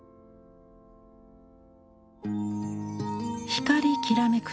光きらめく